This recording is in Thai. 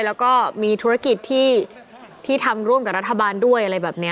แล้วก็มีธุรกิจที่ทำร่วมกับรัฐบาลด้วยอะไรแบบนี้